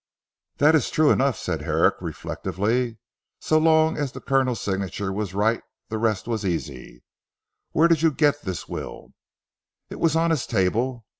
"That is true enough," said Herrick reflectively, "so long as the Colonel's signature was right the rest was easy. Where did you get this will?" "It was on his table.